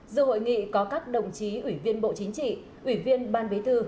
dự hội nghị có các đồng chí ủy viên bộ chính trị ủy viên ban bí thư